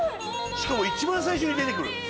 しかも一番最初に出てる。